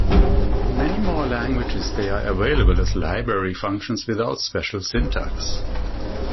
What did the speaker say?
In many more languages, they are available as library functions without special syntax.